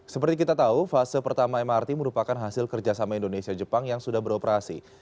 seperti kita tahu fase pertama mrt merupakan hasil kerjasama indonesia jepang yang sudah beroperasi